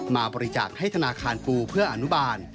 มาบริจาคให้ธนาคารปูเพื่ออนุบาล